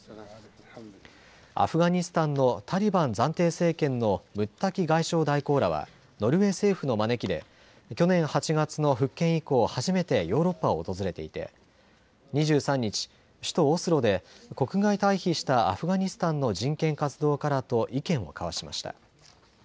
アフガニスタンのタリバン暫定政権のムッタキ外相代行らはノルウェー政府の招きで去年８月の復権以降、初めてヨーロッパを訪れていて２３日、首都オスロで国外退避したアフガニスタンの人権活動家らと意見を交わしました。